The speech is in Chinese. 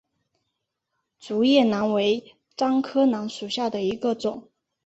竹叶楠为樟科楠属下的一个种。